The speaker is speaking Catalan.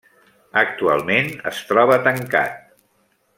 Actualment es troba tancat.